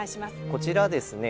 こちらですね